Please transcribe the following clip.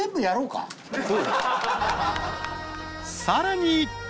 ［さらに］